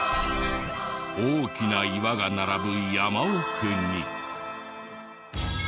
大きな岩が並ぶ山奥に。